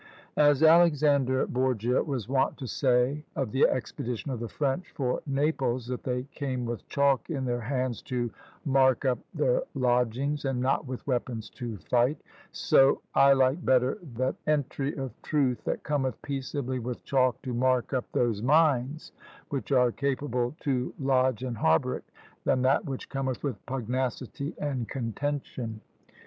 "As Alexander Borgia was wont to say of the expedition of the French for Naples, that they came with chalk in their hands to mark up their lodgings, and not with weapons to fight; so I like better that entry of truth that cometh peaceably with chalk to mark up those minds which are capable to lodge and harbour it, than that which cometh with pugnacity and contention."